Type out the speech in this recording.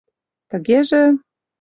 Тыгеже...